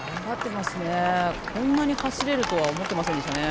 こんなに走れるとは思っていませんでしたね。